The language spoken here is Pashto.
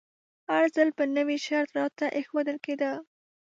هر ځل به نوی شرط راته ایښودل کیده.